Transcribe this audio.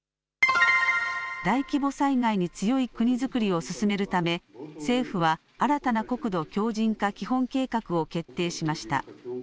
大規模災害に強い国造りを進めるため政府は新たな国土強じん化基本計画を決定しました。